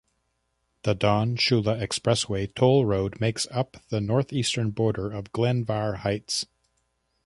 The Don Shula Expressway Toll Road makes up the northeastern border of Glenvar Heights.